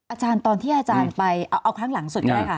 อาจารย์ตอนที่อาจารย์ไปเอาครั้งหลังสุดก็ได้ค่ะ